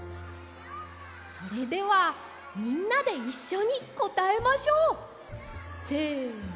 それではみんなでいっしょにこたえましょう！せの！